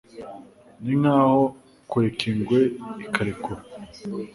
Ninkaho kureka ingwe ikarekura